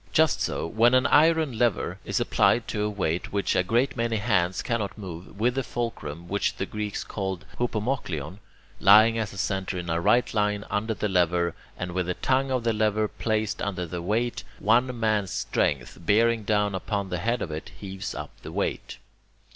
Just so, when an iron lever is applied to a weight which a great many hands cannot move, with the fulcrum, which the Greeks call [Greek: hupomochlion], lying as a centre in a right line under the lever, and with the tongue of the lever placed under the weight, one man's strength, bearing down upon the head of it, heaves up the weight.